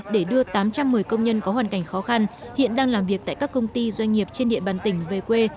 để đưa tám trăm một mươi công nhân có hoàn cảnh khó khăn hiện đang làm việc tại các công ty doanh nghiệp trên địa bàn tỉnh về quê